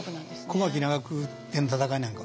小牧・長久手の戦いなんかはですね